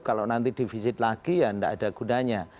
kalau nanti divisit lagi ya tidak ada gunanya